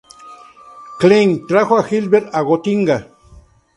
Klein trajo a Hilbert a Gotinga.